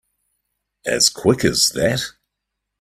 As quick as that?